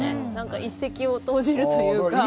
一石を投じるというか。